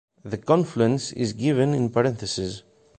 The confluence is given in parentheses.